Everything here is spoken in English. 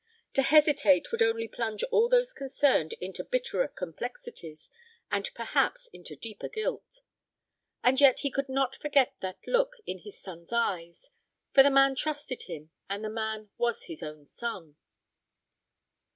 To hesitate would only plunge all those concerned into bitterer complexities, and perhaps into deeper guilt. And yet he could not forget that look in his son's eyes, for the man trusted him, and the man was his own son.